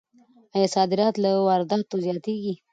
آیا صادرات له وارداتو زیاتیږي؟